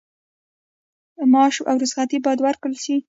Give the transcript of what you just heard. معاش او رخصتي باید ورکړل شي.